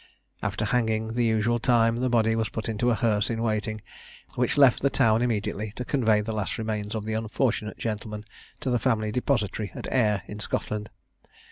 After hanging the usual time, the body was put into a hearse in waiting, which left the town immediately, to convey the last remains of the unfortunate gentleman to the family depository at Ayr, in Scotland.